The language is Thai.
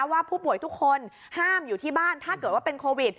ว่าผู้ป่วยทุกคนห้ามอยู่ที่บ้านถ้าเกิดว่าเป็นโควิด